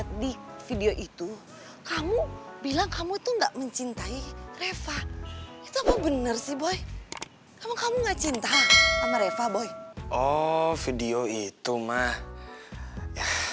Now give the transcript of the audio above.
tristan kan ngancem boy